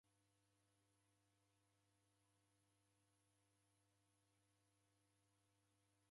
Kaw'ona nakalala koniw'usira.